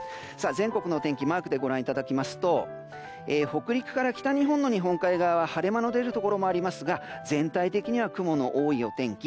全国のお天気マークでご覧いただきますと北陸から北日本の日本海側は晴れ間の出るところもありますが全体的には雲の多いお天気。